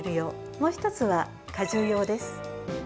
もう１つは果汁用です。